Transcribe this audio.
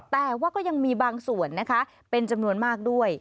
แต่ว่าก็ยังมีบางส่วนนะคะเป็นจำนวนมากด้วย